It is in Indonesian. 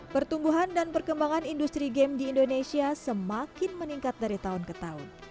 pertumbuhan dan perkembangan industri game di indonesia semakin meningkat dari tahun ke tahun